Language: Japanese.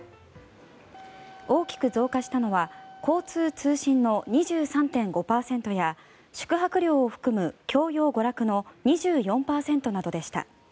大きく増加したのは交通・通信の２３．５％や宿泊料を含む教養娯楽の２４％などでした。